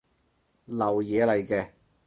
流嘢嚟嘅